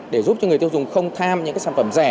để giúp cho người tiêu dùng không tham những cái sản phẩm rẻ